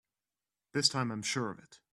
This time I'm sure of it!